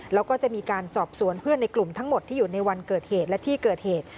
แล้วก็จะมีการสอบสวนเพื่อนในกลุ่มทั้งหมดที่อยู่ในวันเกิดเหตุและที่เกิดเหตุ